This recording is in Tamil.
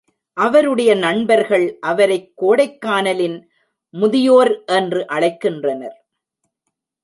அவருடைய நண்பர்கள் அவரைக் கோடைக்கானலின் முதியோர் என்று அழைக்கின்றனர்.